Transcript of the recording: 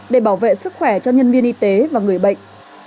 để bảo vệ sức khỏe cho nhân viên y tế và người bệnh